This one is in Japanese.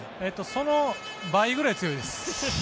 その倍ぐらい強いです。